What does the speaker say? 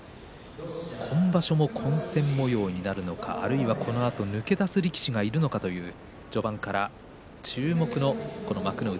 今場所も混戦もようになる中あるいはこのあと抜け出せる力士がいるのかという序盤から注目の幕内